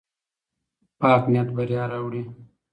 پاک نیت بریا راوړي.